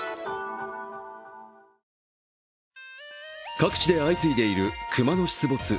各地で相次いでいる熊の出没。